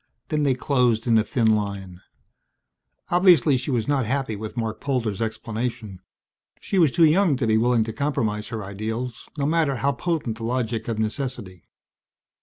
Then they closed in a thin line. Obviously she was not happy with Marc Polder's explanation. She was too young to be willing to compromise her ideals, no matter how potent the logic of necessity.